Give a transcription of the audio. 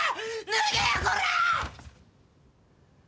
脱げよこらぁ！